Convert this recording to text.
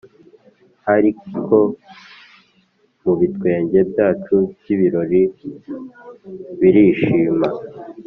hark! mubitwenge byacu byibirori birishima